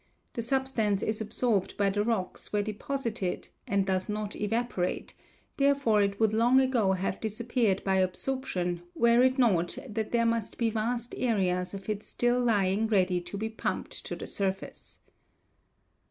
The substance is absorbed by the rocks where deposited and does not evaporate, therefore it would long ago have disappeared by absorption were it not that there must be vast areas of it still lying ready to be pumped to the surface.